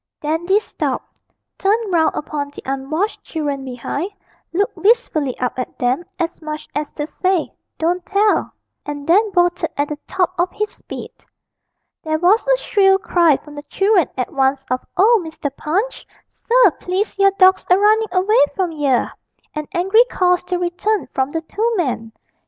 Dandy stopped, turned round upon the unwashed children behind, looked wistfully up at them, as much as to say, 'Don't tell,' and then bolted at the top of his speed. There was a shrill cry from the children at once of 'Oh, Mr. Punch, sir, please your dawg's a runnin' away from yer!' and angry calls to return from the two men.